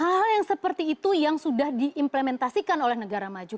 hal hal yang seperti itu yang sudah diimplementasikan oleh negara maju